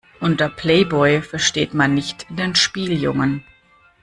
Unter Playboy versteht man nicht den Spieljungen.